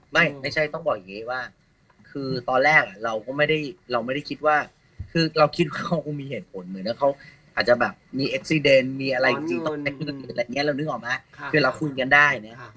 ไม่ไม่ใช่ต้องบอกอย่างนี้ว่าคือตอนแรกเราก็ไม่ได้เราไม่ได้คิดว่าคือเราคิดเขาก็มีเหตุผลเหมือนกับเขาอาจจะแบบมีเอกซิเดนต์มีอะไรจริงแล้วนึกออกมั้ยคือเราคุยกันได้เนี่ย